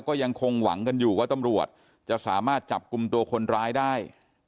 ก็ยังคงหวังกันอยู่ว่าตำรวจจะสามารถจับกลุ่มตัวคนร้ายได้